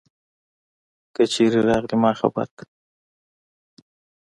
که چیری راغلي ما خبر که